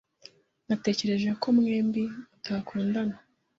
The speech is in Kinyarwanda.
Natekereje ko mwembi mutakundana.